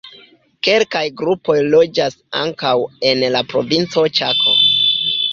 Kelkaj grupoj loĝas ankaŭ en la provinco Ĉako.